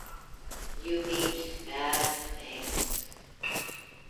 You meet bad things.